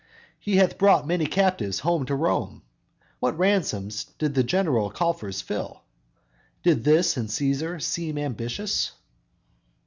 He hath brought many captives home to Rome, Whose ransoms did the general coffers fill; Did this in Cæsar seem ambitious?